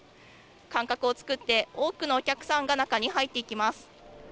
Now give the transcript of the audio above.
間隔を作って、多くのお客さんが中に入っていきます。